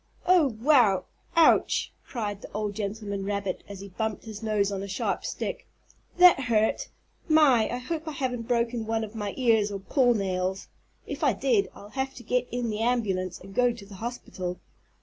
"Oh, wow! Ouch!" cried the old gentleman rabbit as he bumped his nose on a sharp stick. "That hurt! My, I hope I haven't broken one of my ears or paw nails. If I did I'll have to get in the ambulance and go to the hospital."